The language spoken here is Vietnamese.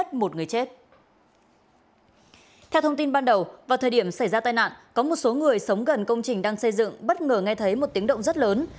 theo thông tin ban đầu vào thời điểm xảy ra tai nạn có một số người sống gần công trình đang xây dựng bất ngờ nghe thấy một tiếng động rất lớn